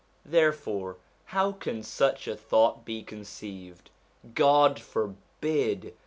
Therefore how can such a thought be conceived ? God forbid